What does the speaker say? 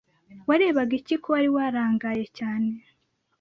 Warebaga iki ko wari warangaye cyane?